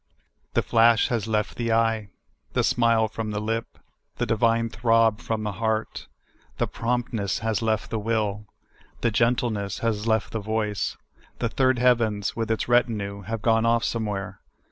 The flash has left the eye ; the smile from the lip ; the divine throb from the heart ; the promptness has left the will ; the gentleness has left the voice ; the third heavens, with its retinue, have gone off somewhere.